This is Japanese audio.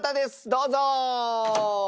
どうぞ！